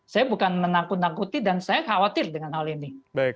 saya bukan menakut nakuti dan saya khawatir dengan hal ini